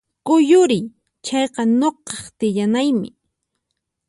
Kuyuriy! Chayqa nuqaq tiyanaymi